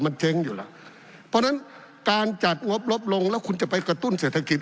มันเจ๊งอยู่ล่ะเพราะฉะนั้นการจัดงบลบลงแล้วคุณจะไปกระตุ้นเศรษฐกิจ